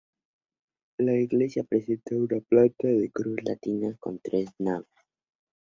La iglesia presenta una planta de cruz latina con tres naves.